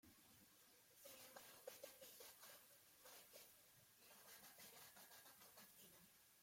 Sin embargo, Pete pilla a Mickey y lo manda a pelar patatas como castigo.